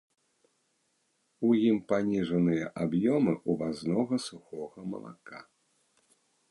У ім паніжаныя аб'ёмы ўвазнога сухога малака.